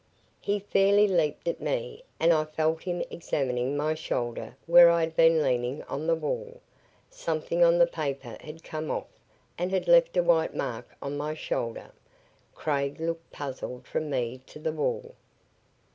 He fairly leaped at me and I felt him examining my shoulder where I had been leaning on the wall. Something on the paper had come off and had left a white mark on my shoulder. Craig looked puzzled from me to the wall.